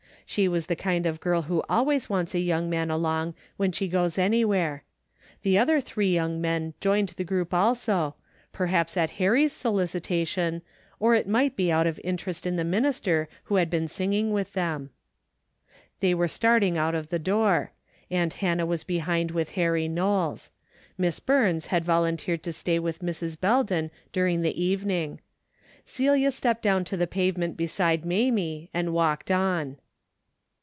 She was the kind of girl who always wants a young man along w^hen she goes anywhere. The other three young men joined the group also, per haps at Harry's solicitation, or it might be out of interest in the minister who had been sing ing with them. They were starting out of the door. Aunt Hannah was behind with Harry Knowles. Miss Burns had volunteered to stay with Mrs. Belden during the evening. Celia stepped down to the pavement beside Mamie and walked on.